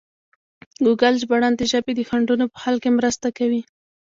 ګوګل ژباړن د ژبې د خنډونو په حل کې مرسته کوي.